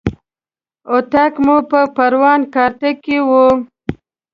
اطاق مو په پروان کارته کې و.